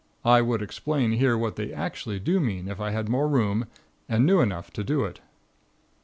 I would explain here what they actually do mean if I had more room and knew enough to do it.